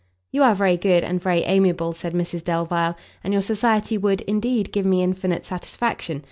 "You are very good, and very amiable," said Mrs Devile, "and your society would, indeed, give me infinite satisfaction.